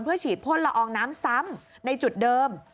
ฉีดพ่นละอองน้ำซ้ำในจุดเดิม